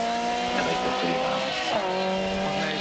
I liked it pretty well.